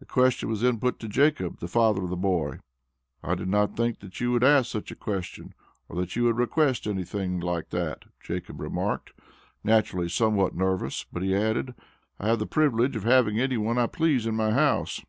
The question was then put to Jacob, the father of the boy. "I did not think that you would ask such a question, or that you would request anything like that," Jacob remarked, naturally somewhat nervous, but he added, "I have the privilege of having any one I please in my house."